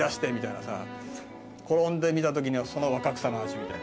転んでみたときにはその若草の味みたいな。